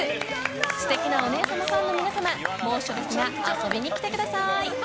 素敵なお姉さまファンの皆様猛暑ですが遊びに来てください。